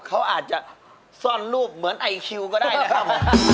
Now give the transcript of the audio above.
สวัสดีครับ